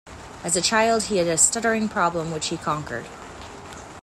As a child he had a stuttering problem which he conquered.